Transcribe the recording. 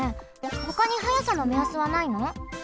ほかに速さのめやすはないの？